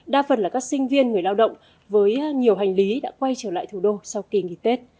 đa phần là các sinh viên người lao động với nhiều hành lý đã quay trở lại thủ đô sau kỳ nghỉ tết